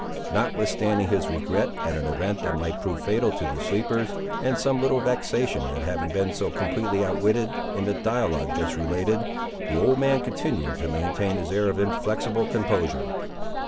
Notwithstanding his regret at an event that might prove fatal to the sleepers, and some little vexation at having been so completely outwitted, in the dialogue just related, the old man continued to maintain his air of inflexible composure.